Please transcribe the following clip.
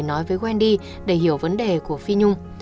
hương sẽ phải nói với quen đi để hiểu vấn đề của phí nhung